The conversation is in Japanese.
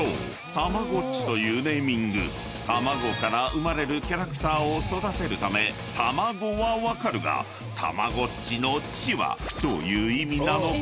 たまごっちというネーミング卵から生まれるキャラクターを育てるため「たまご」は分かるがたまごっちの「っち」はどういう意味なのか？］